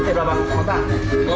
terserah terserah itu